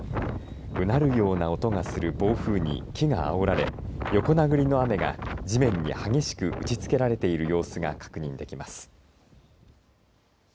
うなるような音がする暴風に木があおられ横殴りの雨が地面に激しく打ち付けられている様子が確認できます。